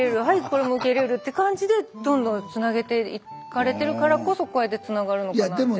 はいこれも受け入れるって感じでどんどんつなげていかれてるからこそこうやってつながるのかなって。